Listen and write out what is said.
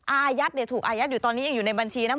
อายัดถูกอายัดอยู่ตอนนี้ยังอยู่ในบัญชีนะ